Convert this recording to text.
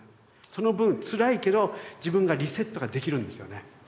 その分つらいけど自分がリセットができるんですよね。